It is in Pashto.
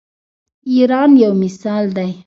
ایران یو مثال دی.